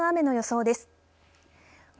今後の雨の予想です。